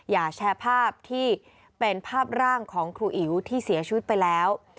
อย่าแชร์ภาพที่เป็นภาพร่างของครูอิ๋วที่เสียชีวิตไปแล้ว